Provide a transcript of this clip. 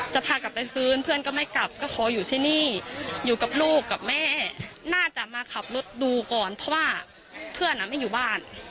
จะพากลับไปคืนเพื่อนก็ไม่กลับก็ขออยู่ที่นี่อยู่กับลูกกับแม่น่าจะมาขับรถดูก่อนเพราะว่าเพื่อนไม่อยู่บ้าน